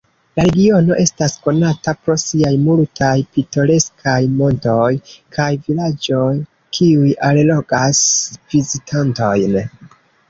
La regiono estas konata pro siaj multaj pitoreskaj montoj kaj vilaĝoj, kiuj allogas vizitantojn.